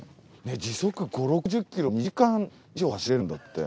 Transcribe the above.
時速５０６０ｋｍを２時間以上走れるんだって。